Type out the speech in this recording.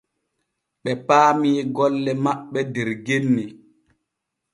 Ɓe paami golle maɓɓe der genni.